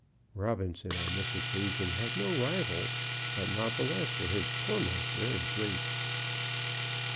Robinson on this occasion had no rival, but not the less were his torments very great.